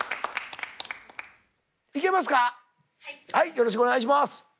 よろしくお願いします。